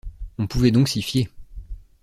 On pouvait donc s’y fier.